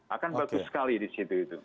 akan bagus sekali di situ itu